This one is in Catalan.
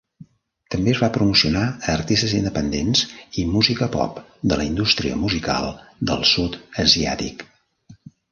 També es va promocionar a artistes independents i música pop de la indústria musical del sud asiàtic.